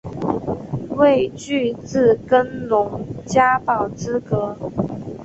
未具自耕农加保资格